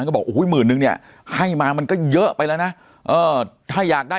ก็บอกมือนึงเนี่ยให้มามันก็เยอะไปแล้วนะถ้าอยากได้